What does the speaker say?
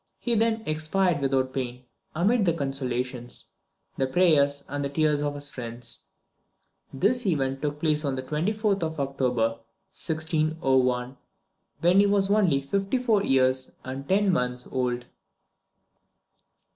He then expired without pain, amid the consolations, the prayers, and the tears of his friends. This event took place on the 24th of October 1601, when he was only fifty four years and ten months old.